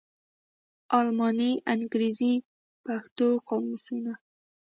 الماني _انګرېزي_ پښتو قاموس